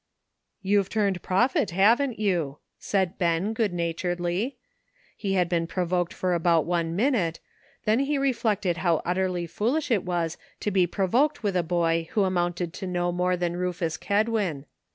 ''You've turned prophet, haven't you?" said Ben, good naturedly. He had been provoked for about one minute ; then he reflected how utterly foolish it was to be provoked with a boy who amounted to no more than Rufus Kedwin.